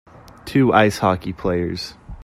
Two ice hockey players